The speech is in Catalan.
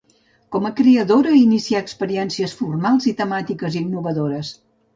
Com a creadora inicià experiències formals i temàtiques innovadores.